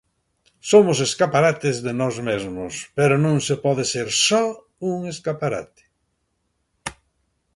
Somos escaparates de nós mesmos, pero non se pode ser só un escaparate.